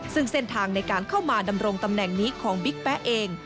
ซึ่งเส้นทางในการเข้ามาดำรงตำแหน่งนี้ของบิ๊กแป๊ะเอง